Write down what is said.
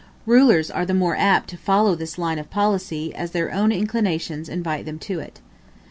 Rulers are the more apt to follow this line of policy, as their own inclinations invite them to it.